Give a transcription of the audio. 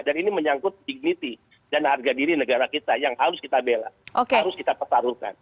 dan ini menyangkut dignity dan harga diri negara kita yang harus kita bela harus kita pertaruhkan